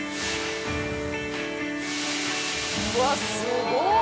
うわすごっ！